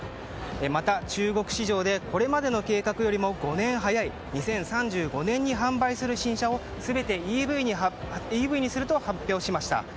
また、中国市場でこれまでの計画よりも５年早い２０３５年に販売する新車を全てＥＶにすると発表しました。